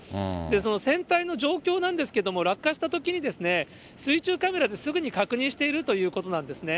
その船体の状況なんですけれども、落下したときに、水中カメラですぐに確認しているということなんですね。